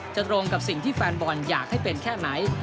ตรงกับสิ่งที่แฟนบอลอยากให้เป็นแค่ไหน